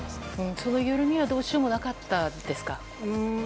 そのゆるみはどうしようもなかったですか？